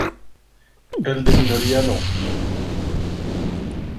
El de minoría no.